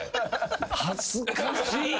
恥ずかしい。